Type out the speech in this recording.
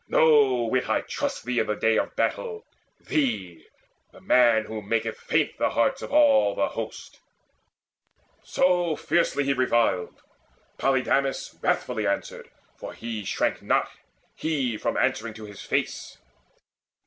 No whit I trust Thee in the day of battle thee, the man Who maketh faint the hearts of all the host!" So fiercely he reviled: Polydamas Wrathfully answered; for he shrank not, he, From answering to his face.